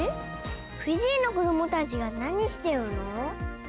フィジーの子どもたちがなにしてるの？